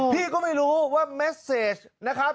พี่ก็ไม่รู้ว่าเมสเซจนะครับ